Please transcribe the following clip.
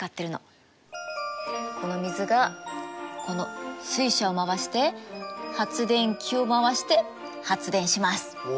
この水がこの水車を回して発電機を回して発電します。